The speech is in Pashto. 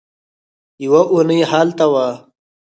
يوه اوونۍ هلته وه.